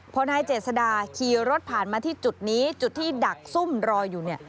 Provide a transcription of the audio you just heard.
พอนายเจษดาขี่รถผ่านมาที่จุดนี้จุดที่ดักซุ่มรออยู่เนี่ย